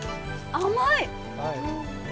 甘い！